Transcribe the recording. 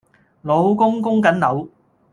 老公供緊樓